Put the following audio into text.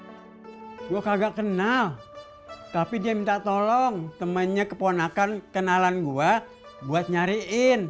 hai gua kagak kenal tapi dia minta tolong temennya keponakan kenalan gua buat nyariin